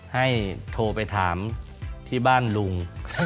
ให้โทรไปถามที่บ้านลุง